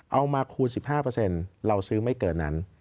มาคูณ๑๕เราซื้อไม่เกินนั้น